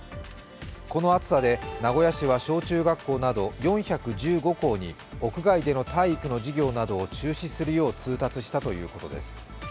この暑さで名古屋市は小中学校など４１５校に屋外での体育の授業などを中止するよう通達したということです。